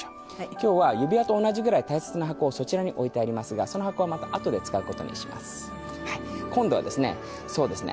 今日は指輪と同じぐらい大切な箱をそちらに置いてありますがその箱はまたあとで使う事にします。今度はですね